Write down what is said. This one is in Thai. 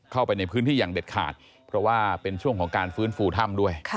เข้าไปในพื้นที่อย่างเด็ดขาดเพราะว่าเป็นช่วงของการฟื้นฟูถ้ำด้วย